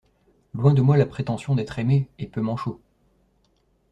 Loin de moi la prétention d'être aimé, et peut m'en chaut!